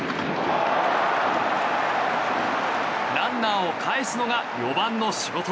ランナーをかえすのが４番の仕事。